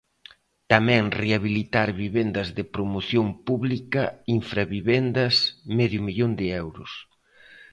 Tamén rehabilitar vivendas de promoción pública, infravivendas, medio millón de euros.